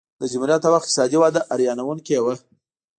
د جمهوریت د وخت اقتصادي وده حیرانوونکې وه.